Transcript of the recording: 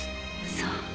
そう。